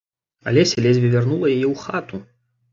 Алеся ледзьве вярнула яе ў хату.